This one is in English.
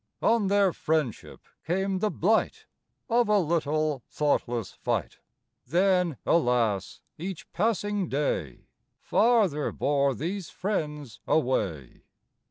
On their friendship came the blight Of a little thoughtless fight; Then, alas! each passing day Farther bore these friends away.